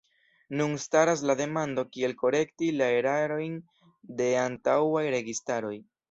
Nun staras la demando kiel korekti la erarojn de antaŭaj registaroj.